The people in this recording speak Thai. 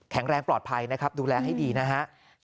แข็งแรงปลอดภัยนะครับดูแลให้ดีนะฮะ